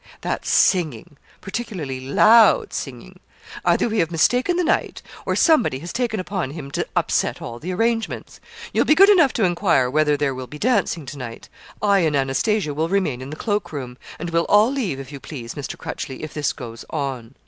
'That's singing particularly loud singing. Either we have mistaken the night, or somebody has taken upon him to upset all the arrangements. You'll be good enough to enquire whether there will be dancing to night; I and Anastasia will remain in the cloak room; and we'll all leave if you please, Mr. Crutchleigh, if this goes on.'